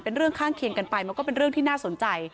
เรื่องข้างเคียงกันไปมันก็เป็นเรื่องที่น่าสนใจ